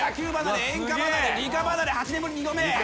理科離れ８年ぶり二度目。